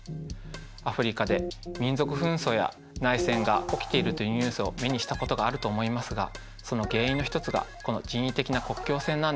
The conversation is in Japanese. アフリカで民族紛争や内戦が起きているというニュースを目にしたことがあると思いますがその原因の一つがこの人為的な国境線なんです。